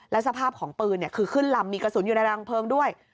สภาพของปืนคือขึ้นลำมีกระสุนอยู่ในรังเพลิงด้วย